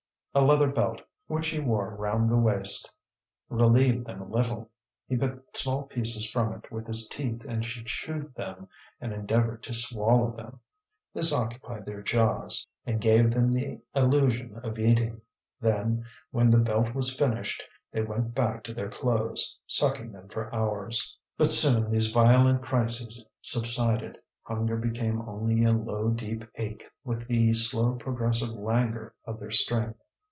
A leather belt, which he wore round the waist, relieved them a little. He bit small pieces from it with his teeth, and she chewed them, and endeavoured to swallow them. This occupied their jaws, and gave them the illusion of eating. Then, when the belt was finished, they went back to their clothes, sucking them for hours. But soon these violent crises subsided; hunger became only a low deep ache with the slow progressive languor of their strength.